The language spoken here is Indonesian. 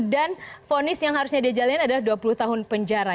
dan fonis yang harusnya dia jalanin adalah dua puluh tahun penjara